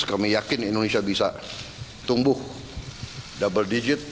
kami yakin indonesia bisa tumbuh double digit